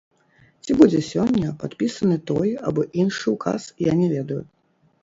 Ці будзе сёння падпісаны той або іншы ўказ, я не ведаю.